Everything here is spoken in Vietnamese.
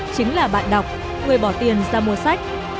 chính là bạn đọc người bỏ tiền ra mua sách